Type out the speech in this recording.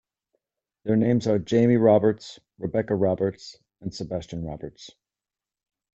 Their names are Jamie Roberts, Rebecca Roberts and Sebastian Roberts.